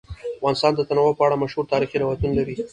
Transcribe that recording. افغانستان د تنوع په اړه مشهور تاریخی روایتونه لري.